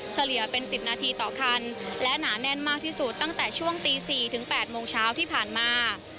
เฉลี่ยเป็น๑๐นาทีต่อคันและหนาแน่นมากที่สุดตั้งแต่ช่วงตี๔ถึง๘โมงเช้าที่ผ่านมา